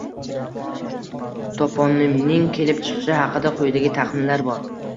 Toponimning kelib chiqishi haqida quyidagi taxminlar bor: